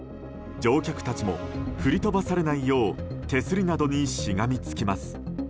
乗客たちも振り飛ばされないよう手すりなどにしがみつきます。